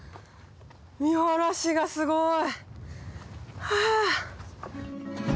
見下ろしがすごい。